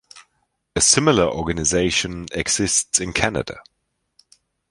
A similar organization exists in Canada.